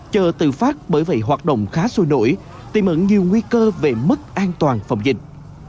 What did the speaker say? chợ tự phát bởi vậy hoạt động khá sôi nổi tiềm ẩn nhiều nguy cơ về mất an toàn phòng dịch